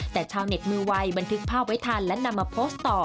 แต่ชาวเน็ตมือไวบันทึกภาพไว้ทันและนำมาโพสต์ต่อ